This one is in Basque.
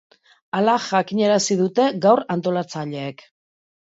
Hala jakinarazi dute gaur antolatzaileek.